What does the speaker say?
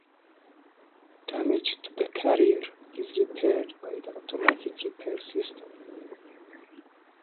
Damage to the carrier is repaired by the automatic repair system.